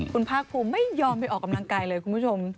คุณภาคภูมิไม่ยอมไปออกกำลังกายเลยคุณผู้ชม